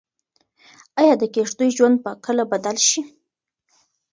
ايا د کيږديو ژوند به کله بدل شي؟